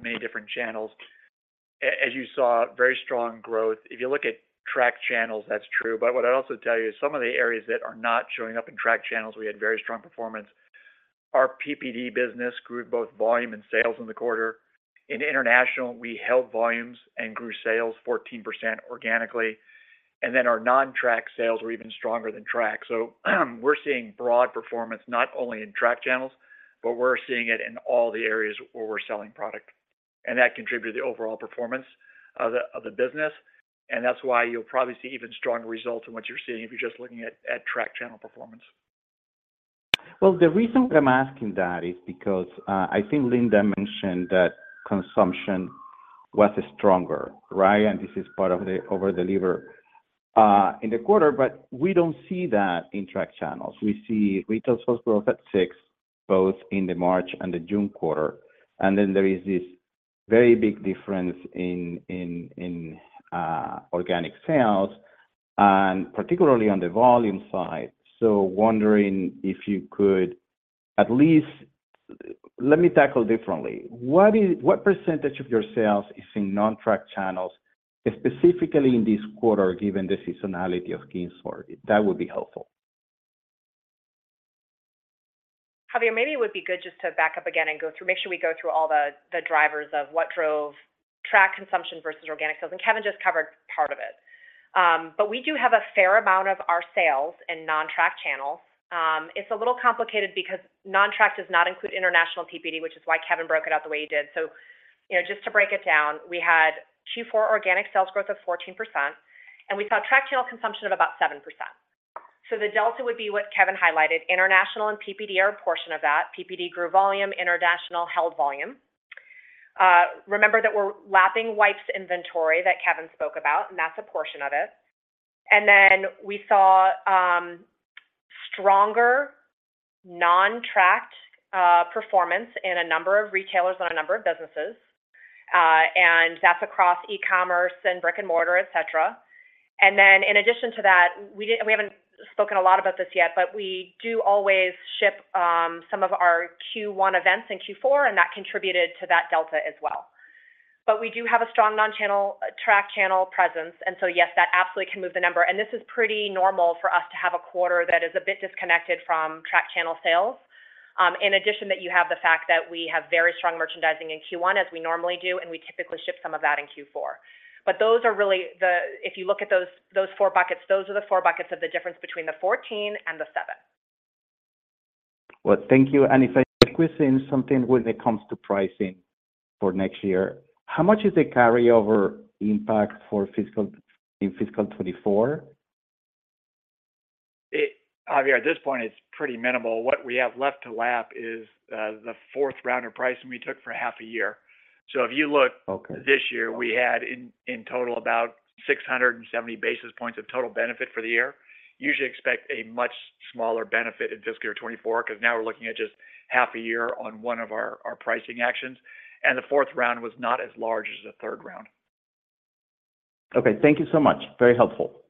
many different channels, as you saw, very strong growth. If you look at track channels, that's true, but what I'd also tell you is some of the areas that are not showing up in track channels, we had very strong performance. Our PPD business grew both volume and sales in the quarter. In international, we held volumes and grew sales 14% organically. Our non-track sales were even stronger than track. We're seeing broad performance, not only in track channels, but we're seeing it in all the areas where we're selling product. That contributed to the overall performance of the, of the business, and that's why you'll probably see even stronger results than what you're seeing if you're just looking at, at track channel performance. Well, the reason I'm asking that is because, I think Linda mentioned that consumption was stronger, right? This is part of the over-deliver in the quarter, but we don't see that in track channels. We see retail sales growth at 6%, both in the March and the June quarter, and then there is this very big difference in, in, in, organic sales, and particularly on the volume side. Wondering if you could at least. Let me tackle differently. What percentage of your sales is in non-track channels, specifically in this quarter, given the seasonality of Kingsford? That would be helpful. Javier, maybe it would be good just to back up again and make sure we go through all the drivers of what drove track consumption versus organic sales, and Kevin just covered part of it. We do have a fair amount of our sales in non-track channels. It's a little complicated because non-track does not include international PPD, which is why Kevin broke it out the way he did. You know, just to break it down, we had Q4 organic sales growth of 14%, and we saw track channel consumption of about 7%. The delta would be what Kevin highlighted, international and PPD are a portion of that. PPD grew volume, international held volume. Remember that we're lapping wipes inventory that Kevin spoke about, and that's a portion of it. We saw stronger non-tracked performance in a number of retailers and a number of businesses, and that's across e-commerce and brick-and-mortar, et cetera. In addition to that, we haven't spoken a lot about this yet, but we do always ship some of our Q1 events in Q4, and that contributed to that delta as well. We do have a strong non-channel, track channel presence, yes, that absolutely can move the number. This is pretty normal for us to have a quarter that is a bit disconnected from track channel sales. In addition, that you have the fact that we have very strong merchandising in Q1, as we normally do, and we typically ship some of that in Q4. Those are really if you look at those, those four buckets, those are the four buckets of the difference between the 14 and the 7. Well, thank you. If I could squeeze in something when it comes to pricing for next year, how much is the carryover impact in fiscal 2024? Javier, at this point, it's pretty minimal. What we have left to lap is the 4th round of pricing we took for half a year. If you look. Okay. This year, we had in total about 670 basis points of total benefit for the year. You should expect a much smaller benefit in fiscal year 2024, because now we're looking at just half a year on one of our pricing actions, and the fourth round was not as large as the third round. Okay, thank you so much. Very helpful.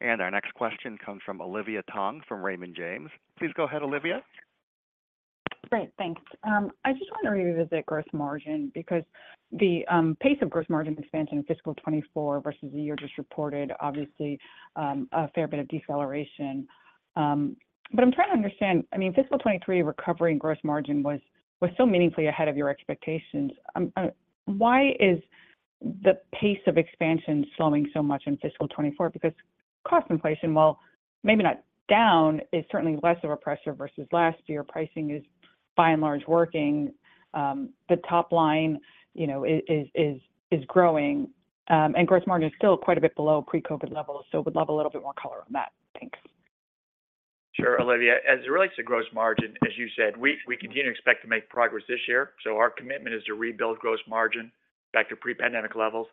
Our next question comes from Olivia Tong, from Raymond James. Please go ahead, Olivia. Great, thanks. I just want to revisit gross margin, because the pace of gross margin expansion in fiscal 2024 versus the year just reported, obviously, a fair bit of deceleration. I'm trying to understand, I mean, fiscal 2023 recovery and gross margin was, was so meaningfully ahead of your expectations. Why is the pace of expansion slowing so much in fiscal 2024? Because cost inflation, well, maybe not down, is certainly less of a pressure versus last year. Pricing is by and large, working. The top line, you know, is, is, is growing, and gross margin is still quite a bit below pre-COVID levels, so would love a little bit more color on that. Thanks. Sure, Olivia. As it relates to gross margin, as you said, we, we continue to expect to make progress this year, so our commitment is to rebuild gross margin back to pre-pandemic levels.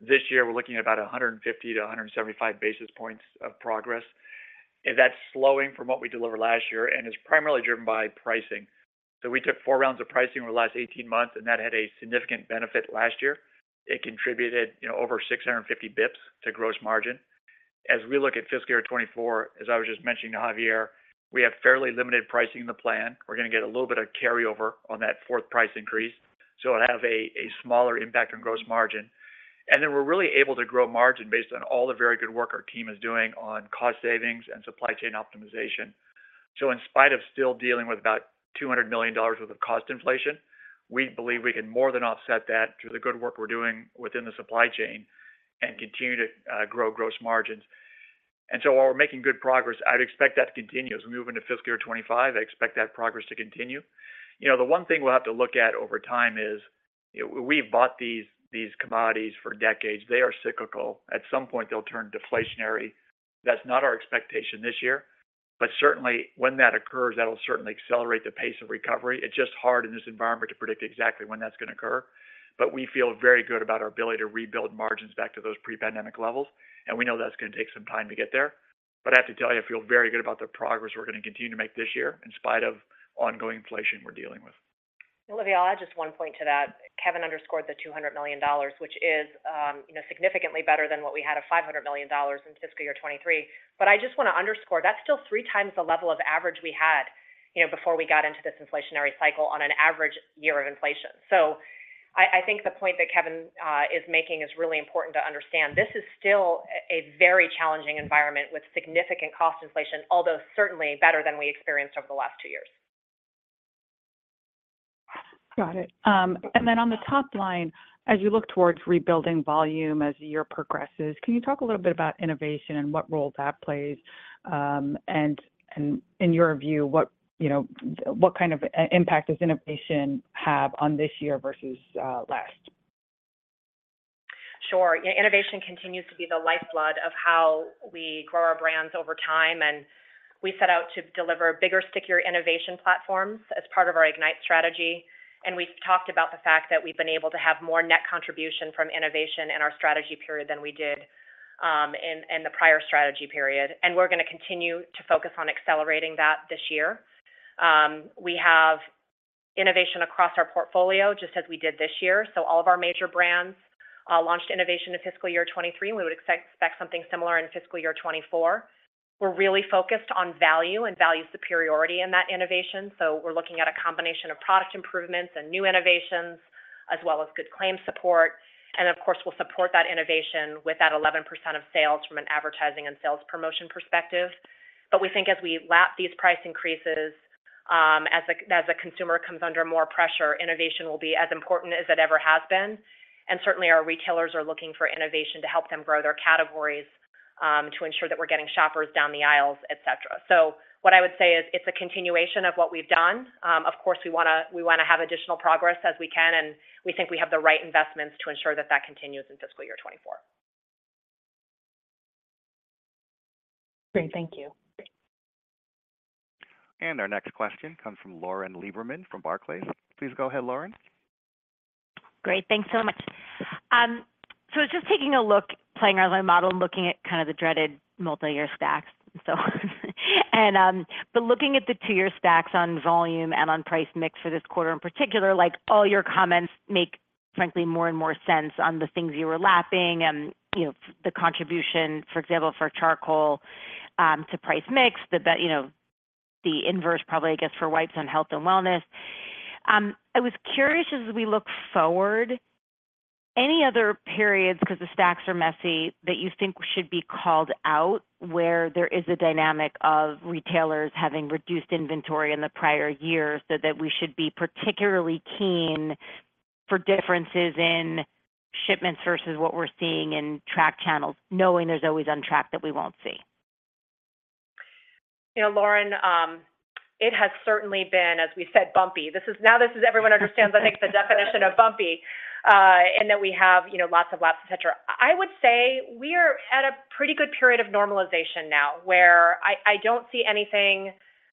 This year, we're looking at about 150-175 basis points of progress. That's slowing from what we delivered last year and is primarily driven by pricing. We took four rounds of pricing over the last 18 months, and that had a significant benefit last year. It contributed, you know, over 650 basis points to gross margin. As we look at fiscal year 2024, as I was just mentioning to Javier, we have fairly limited pricing in the plan. We're gonna get a little bit of carryover on that 4th price increase, so it'll have a, a smaller impact on gross margin. Then we're really able to grow margin based on all the very good work our team is doing on cost savings and supply chain optimization. In spite of still dealing with about $200 million worth of cost inflation, we believe we can more than offset that through the good work we're doing within the supply chain and continue to grow gross margins. While we're making good progress, I'd expect that to continue. As we move into fiscal year 2025, I expect that progress to continue. You know, the one thing we'll have to look at over time is, you know, we've bought these, these commodities for decades. They are cyclical. At some point, they'll turn deflationary. That's not our expectation this year, but certainly, when that occurs, that'll certainly accelerate the pace of recovery. It's just hard in this environment to predict exactly when that's gonna occur. We feel very good about our ability to rebuild margins back to those pre-pandemic levels. We know that's gonna take some time to get there. I have to tell you, I feel very good about the progress we're gonna continue to make this year, in spite of ongoing inflation we're dealing with. Olivia, I'll add just one point to that. Kevin underscored the $200 million, which is, you know, significantly better than what we had, of $500 million in fiscal year 2023. I just wanna underscore, that's still three times the level of average we had, you know, before we got into this inflationary cycle on an average year of inflation. I, I think the point that Kevin is making is really important to understand. This is still a, a very challenging environment with significant cost inflation, although certainly better than we experienced over the last two years. Got it. Then on the top line, as you look towards rebuilding volume as the year progresses, can you talk a little bit about innovation and what role that plays? In your view, what, you know, what kind of impact does innovation have on this year versus last? Sure. Yeah, innovation continues to be the lifeblood of how we grow our brands over time, we set out to deliver bigger, stickier innovation platforms as part of our IGNITE strategy. We've talked about the fact that we've been able to have more net contribution from innovation in our strategy period than we did in the prior strategy period. We're gonna continue to focus on accelerating that this year. We have innovation across our portfolio, just as we did this year. All of our major brands launched innovation in fiscal year 2023, and we would expect something similar in fiscal year 2024. We're really focused on value and value superiority in that innovation, so we're looking at a combination of product improvements and new innovations, as well as good claim support. Of course, we'll support that innovation with that 11% of sales from an advertising and sales promotion perspective. We think as we lap these price increases, as the consumer comes under more pressure, innovation will be as important as it ever has been. Certainly, our retailers are looking for innovation to help them grow their categories, to ensure that we're getting shoppers down the aisles, et cetera. What I would say is, it's a continuation of what we've done. Of course, we wanna have additional progress as we can, and we think we have the right investments to ensure that that continues in fiscal year 2024. Great. Thank you. Our next question comes from Lauren Lieberman from Barclays. Please go ahead, Lauren. Great. Thanks so much. Just taking a look, playing around my model and looking at kind of the dreaded multi-year stacks. Looking at the two-year stacks on volume and on price mix for this quarter, in particular, like, all your comments make, frankly, more and more sense on the things you were lapping and, you know, the contribution, for example, for charcoal to price mix, the inverse probably, I guess, for wipes on health and wellness. I was curious, as we look forward, any other periods, 'cause the stacks are messy, that you think should be called out, where there is a dynamic of retailers having reduced inventory in the prior years, so that we should be particularly keen for differences in shipments versus what we're seeing in track channels, knowing there's always untracked that we won't see? You know, Lauren, it has certainly been, as we said, bumpy. Now, this is everyone understands, I think, the definition of bumpy, and that we have, you know, lots of laps, et cetera. I would say we are at a pretty good period of normalization now, where I, I don't see anything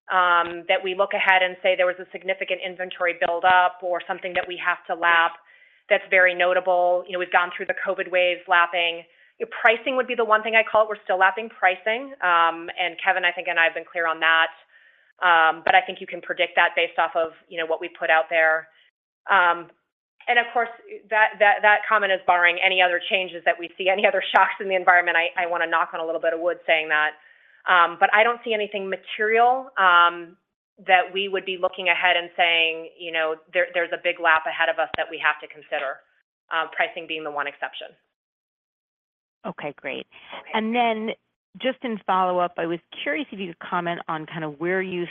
that we look ahead and say there was a significant inventory buildup or something that we have to lap that's very notable. You know, we've gone through the COVID wave, lapping. Pricing would be the one thing I'd call it. We're still lapping pricing, and Kevin, I think, and I have been clear on that. I think you can predict that based off of, you know, what we put out there. Of course, that, that, that comment is barring any other changes that we see, any other shocks in the environment. I, I wanna knock on a little bit of wood saying that. I don't see anything material that we would be looking ahead and saying, you know, there, there's a big lap ahead of us that we have to consider, pricing being the one exception. Okay, great. And then, just in follow-up, I was curious if you could comment on kind of where you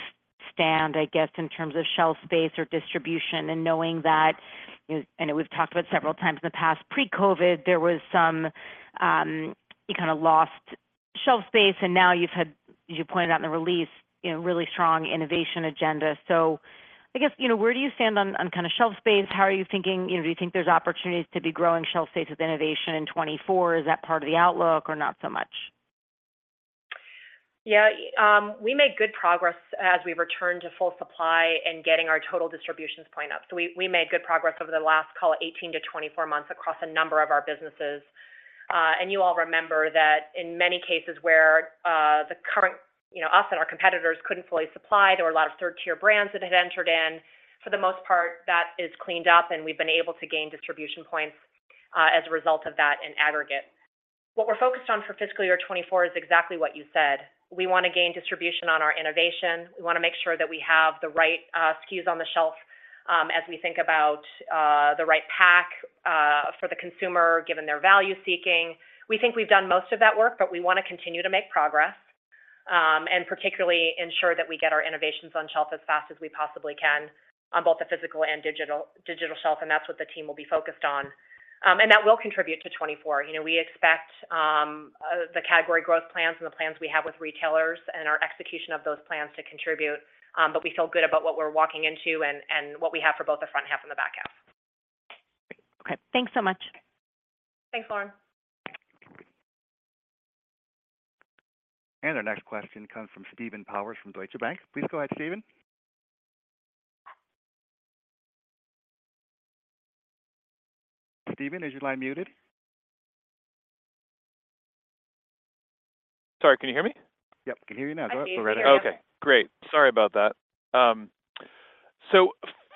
stand, I guess, in terms of shelf space or distribution, and knowing that, you know, and we've talked about several times in the past, pre-COVID, there was some, you kind of lost shelf space, and now you've had, as you pointed out in the release, you know, really strong innovation agenda. I guess, you know, where do you stand on, on kind of shelf space? How are you thinking? You know, do you think there's opportunities to be growing shelf space with innovation in 2024? Is that part of the outlook or not so much? Yeah, we made good progress as we returned to full supply and getting our total distributions point up. We, we made good progress over the last, call it, 18 to 24 months across a number of our businesses. You all remember that in many cases where the current, you know, us and our competitors couldn't fully supply, there were a lot of third-tier brands that had entered in. For the most part, that is cleaned up, and we've been able to gain distribution points. As a result of that in aggregate. What we're focused on for fiscal year 2024 is exactly what you said. We wanna gain distribution on our innovation. We wanna make sure that we have the right SKUs on the shelf, as we think about the right pack for the consumer, given their value seeking. We think we've done most of that work, but we wanna continue to make progress, and particularly ensure that we get our innovations on shelf as fast as we possibly can on both the physical and digital, digital shelf, and that's what the team will be focused on. That will contribute to 2024. You know, we expect the category growth plans and the plans we have with retailers and our execution of those plans to contribute, but we feel good about what we're walking into and, and what we have for both the front half and the back half. Great. Okay, thanks so much. Thanks, Lauren. Our next question comes from Steven Powers from Deutsche Bank. Please go ahead, Steven. Steven, is your line muted? Sorry, can you hear me? Yep, can hear you now. Go ahead. I can hear you. Okay, great. Sorry about that.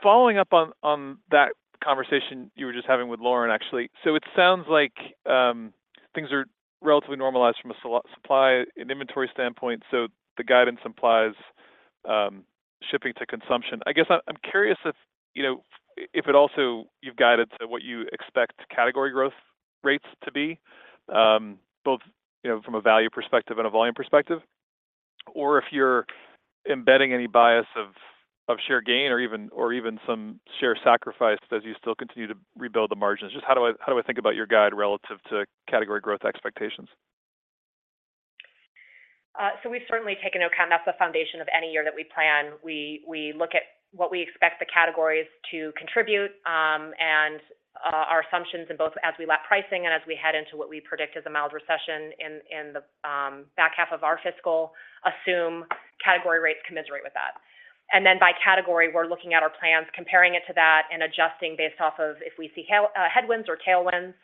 Following up on, on that conversation you were just having with Lauren, actually, so it sounds like things are relatively normalized from a supply and inventory standpoint, so the guidance implies shipping to consumption. I guess I, I'm curious if, you know, if it also you've guided to what you expect category growth rates to be, both, you know, from a value perspective and a volume perspective, or if you're embedding any bias of, of share gain or even, or even some share sacrifice as you still continue to rebuild the margins. Just how do I, how do I think about your guide relative to category growth expectations? We've certainly taken into account. That's the foundation of any year that we plan. We look at what we expect the categories to contribute, and our assumptions in both as we lap pricing and as we head into what we predict is a mild recession in the back half of our fiscal, assume category rates commiserate with that. By category, we're looking at our plans, comparing it to that, and adjusting based off of if we see headwinds or tailwinds.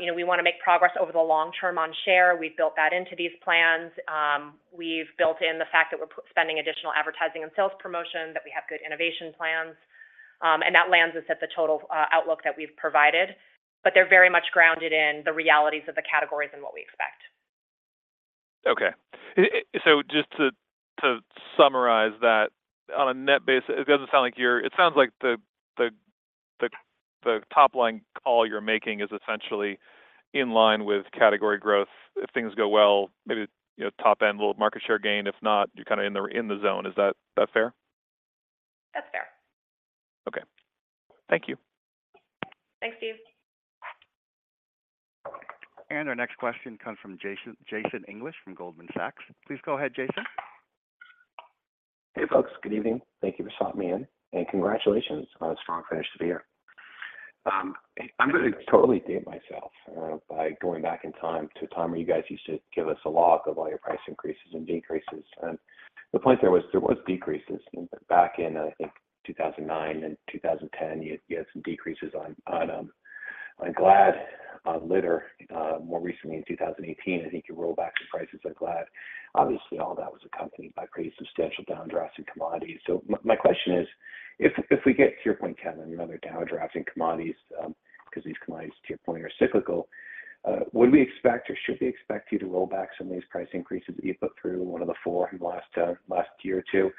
You know, we wanna make progress over the long term on share. We've built that into these plans. We've built in the fact that we're spending additional advertising and sales promotion, that we have good innovation plans, and that lands us at the total outlook that we've provided, but they're very much grounded in the realities of the categories and what we expect. Okay. Just to, to summarize that, on a net basis, it doesn't sound like you're, it sounds like the, the, the, the top line call you're making is essentially in line with category growth. If things go well, maybe, you know, top end will market share gain. If not, you're kinda in the, in the zone. Is that, that fair? That's fair. Okay. Thank you. Thanks, Steve. Our next question comes from Jason English from Goldman Sachs. Please go ahead, Jason. Hey, folks. Good evening. Thank you for swapping me in, and congratulations on a strong finish to the year. I'm gonna totally date myself by going back in time to a time where you guys used to give us a log of all your price increases and decreases. The point there was, there was decreases back in, I think, 2009 and 2010. You, you had some decreases on, on Glad, on Litter. More recently in 2018, I think you rolled back the prices on Glad. Obviously, all that was accompanied by pretty substantial downdrafts in commodities. My, my question is: if, if we get to your point, Kevin, another downdraft in commodities, because these commodities, to your point, are cyclical, would we expect or should we expect you to roll back some of these price increases that you put through, one of the four in the last year or two?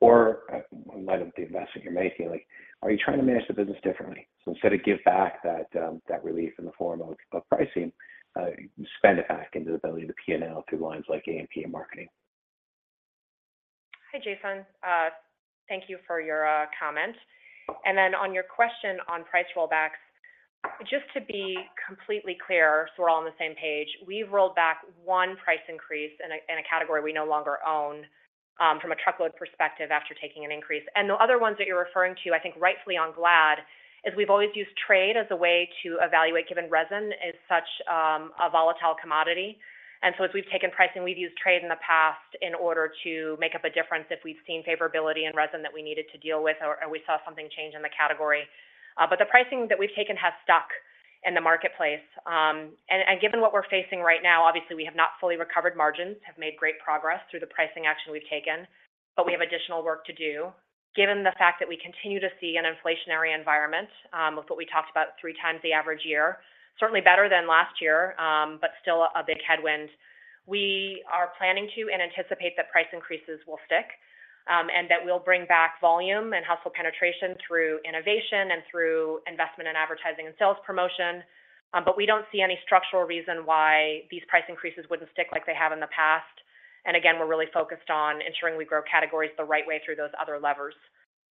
In light of the investment you're making, like, are you trying to manage the business differently? Instead of give back that, that relief in the form of, of pricing, you spend it back into the ability of the P&L through lines like A&P and marketing. Hi, Jason. Thank you for your comment. Then on your question on price rollbacks, just to be completely clear so we're all on the same page, we've rolled back one price increase in a, in a category we no longer own, from a truckload perspective after taking an increase. The other ones that you're referring to, I think rightfully on Glad, is we've always used trade as a way to evaluate, given resin is such a volatile commodity. So as we've taken pricing, we've used trade in the past in order to make up a difference if we've seen favorability in resin that we needed to deal with or, or we saw something change in the category. The pricing that we've taken has stuck in the marketplace. Given what we're facing right now, obviously, we have not fully recovered margins, have made great progress through the pricing action we've taken, but we have additional work to do. Given the fact that we continue to see an inflationary environment, with what we talked about three times the average year, certainly better than last year, but still a big headwind, we are planning to and anticipate that price increases will stick, and that we'll bring back volume and household penetration through innovation and through investment in advertising and sales promotion. We don't see any structural reason why these price increases wouldn't stick like they have in the past. Again, we're really focused on ensuring we grow categories the right way through those other levers.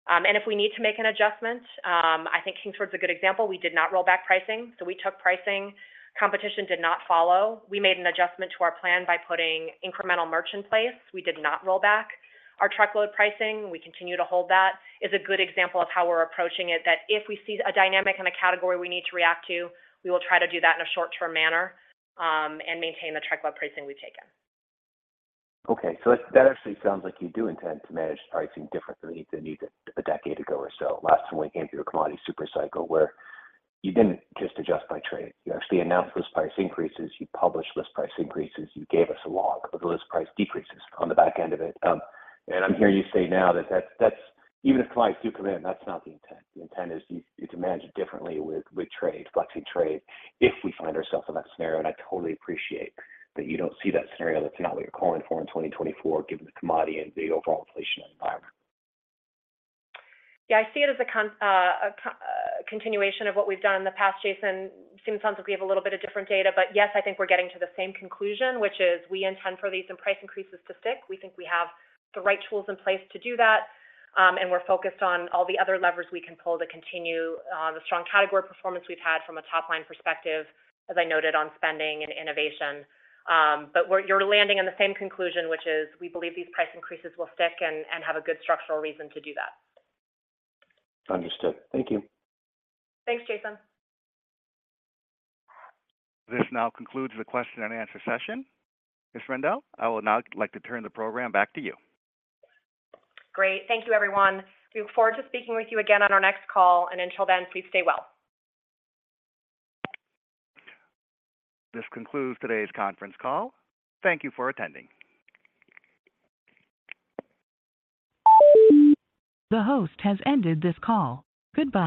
If we need to make an adjustment, I think Kingsford is a good example. We did not roll back pricing, so we took pricing. Competition did not follow. We made an adjustment to our plan by putting incremental merch in place. We did not roll back our truckload pricing. We continue to hold that. It's a good example of how we're approaching it, that if we see a dynamic in a category we need to react to, we will try to do that in a short-term manner, and maintain the truckload pricing we've taken. Okay, that actually sounds like you do intend to manage pricing differently than you did a decade ago or so. Last time we came through a commodity supercycle, where you didn't just adjust by trade. You actually announced list price increases, you published list price increases, you gave us a log of the list price decreases on the back end of it. I'm hearing you say now that that's not the intent. The intent is to manage it differently with, with trade, flexing trade, if we find ourselves in that scenario. I totally appreciate that you don't see that scenario. That's not what you're calling for in 2024, given the commodity and the overall inflation environment. Yeah, I see it as a continuation of what we've done in the past, Jason. Sounds like we have a little bit of different data, but yes, I think we're getting to the same conclusion, which is we intend for these in price increases to stick. We think we have the right tools in place to do that, and we're focused on all the other levers we can pull to continue the strong category performance we've had from a top-line perspective, as I noted on spending and innovation. You're landing on the same conclusion, which is we believe these price increases will stick and, and have a good structural reason to do that. Understood. Thank you. Thanks, Jason. This now concludes the question and answer session. Ms. Rendle, I will now like to turn the program back to you. Great. Thank you, everyone. We look forward to speaking with you again on our next call, and until then, please stay well. This concludes today's conference call. Thank you for attending. The host has ended this call. Goodbye.